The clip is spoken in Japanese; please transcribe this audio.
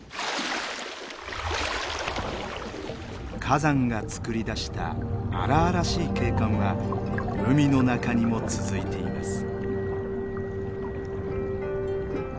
火山がつくり出した荒々しい景観は海の中にも続いています。